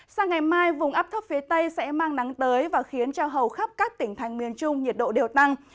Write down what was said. sang ngày mai vùng áp thấp phía tây sẽ mang nắng tới và khiến cho hầu khắp các tỉnh thành miền trung nhiệt độ đều tăng